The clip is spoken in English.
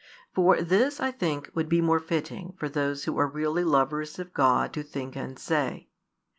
For this I think would be more fitting for those who are really lovers of God to think and say.